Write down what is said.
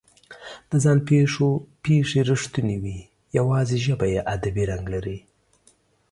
د ځان پېښو پېښې رښتونې وي، یواځې ژبه یې ادبي رنګ لري.